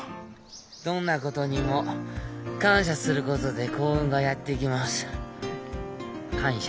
「どんなことにも感謝することで幸運がやって来ます」。感謝。